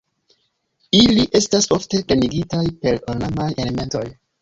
Ili estas ofte plenigitaj per ornamaj elementoj.